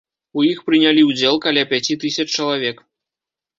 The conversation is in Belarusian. У іх прынялі ўдзел каля пяці тысяч чалавек.